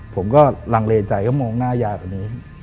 ผมก็ลังเลใจก็มองหน้ายายคนนี้